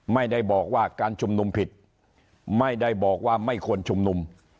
ไม่ได้บอกว่าการชุมนุมผิดไม่ได้บอกว่าไม่ควรชุมนุม